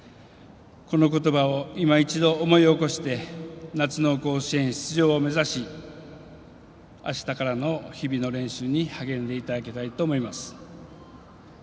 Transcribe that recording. このことばを今一度思い起こして夏の甲子園出場を目指しあしたからの日々の練習に励んでいただきたいと思います。